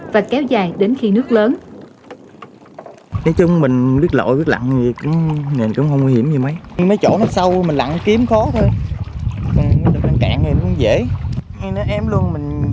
và kéo dài đến khi nước lớn